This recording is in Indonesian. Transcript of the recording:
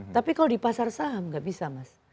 tapi kalau di pasar saham nggak bisa mas